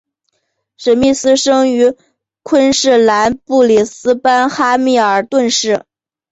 史密斯生于昆士兰布里斯班哈密尔顿市。